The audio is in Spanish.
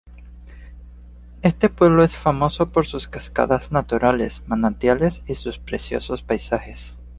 Este pueblo es famoso por sus cascadas naturales, manantiales y sus preciosos paisajes.